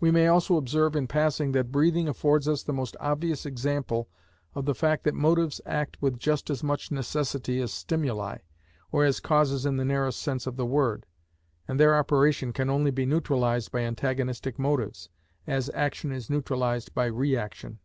We may also observe in passing that breathing affords us the most obvious example of the fact that motives act with just as much necessity as stimuli, or as causes in the narrowest sense of the word, and their operation can only be neutralised by antagonistic motives, as action is neutralised by re action.